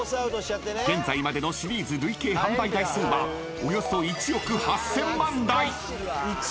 ［現在までのシリーズ累計販売台数はおよそ１億８，０００万台］